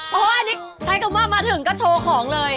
เพราะว่าอันนี้ใช้คำว่ามาถึงก็โชว์ของเลย